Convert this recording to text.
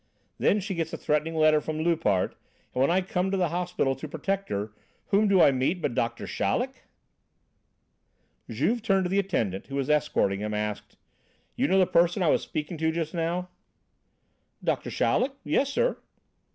Then she gets a threatening letter from Loupart. And when I come to the hospital to protect her, whom do I meet but Doctor Chaleck!" Juve, turning to the attendant who was escorting him, asked: "You know the person I was speaking to just now?" "Doctor Chaleck? Yes, sir."